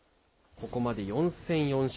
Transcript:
ここまで４戦４勝。